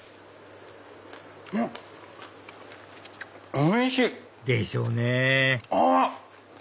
おいしい！でしょうね